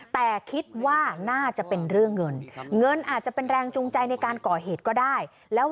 แต่คิดว่าน่าจะเป็นเรื่องเงินเงินอาจจะเป็นแรงจูงใจในการก่อเหตุก็ได้